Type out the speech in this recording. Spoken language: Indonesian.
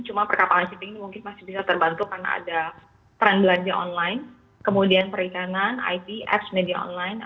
cuma perkapalan shipping ini mungkin masih bisa terbantu karena ada tren belanja online kemudian perikanan it apps media online